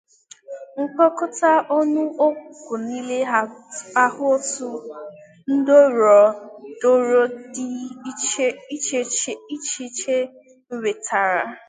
mkpokọta ọnụọgụgụ niile ahụ otu ndọrọndọrọ dị icheiche nwetara